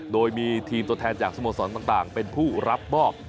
โดยมีทีมตัวแทนจากสโมสรต่างเป็นผู้รับมอบ